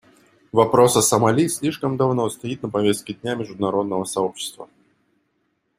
Вопрос о Сомали слишком давно стоит на повестке дня международного сообщества.